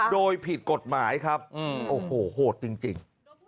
โดยผิดกฎหมายครับโอ้โหโหดจริง